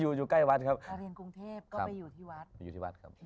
อยู่อยู่ใกล้วัดครับเรียนกรุงเทพก็ไปอยู่ที่วัดไปอยู่ที่วัดครับ